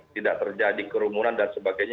tidak terjadi kerumunan dan sebagainya